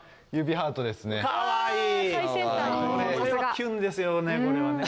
キュンですよねこれはね。